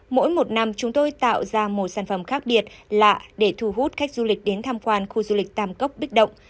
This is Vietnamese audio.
mỗi một năm chúng tôi tạo ra một sản phẩm khác biệt lạ để thu hút khách du lịch đến tham quan khu du lịch tam cốc bích động